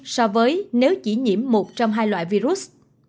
tôi chú ý nếu chỉ nhiễm một trong hai loại virus